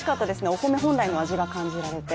お米本来の味が感じられて。